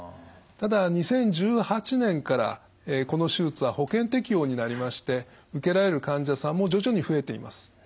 ただ２０１８年からこの手術は保険適用になりまして受けられる患者さんも徐々に増えています。